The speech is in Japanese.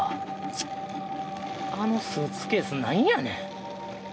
ちっあのスーツケースなんやねん。